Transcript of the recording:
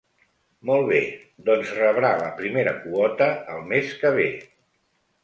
Molt bé, doncs rebrà la primera quota el mes que vé.